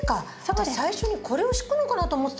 私最初にこれを敷くのかなと思ってたんですけど。